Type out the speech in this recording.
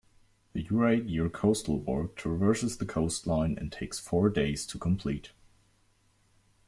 The Yuraygir coastal walk traverses the coastline, and takes four days to complete.